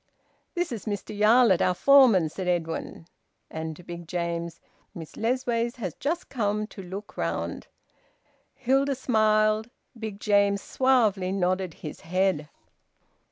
"This is Mr Yarlett, our foreman," said Edwin, and to Big James: "Miss Lessways has just come to look round." Hilda smiled. Big James suavely nodded his head.